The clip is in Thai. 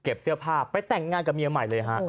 เสื้อผ้าไปแต่งงานกับเมียใหม่เลยฮะ